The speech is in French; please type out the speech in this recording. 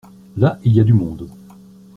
Là, il y a du monde.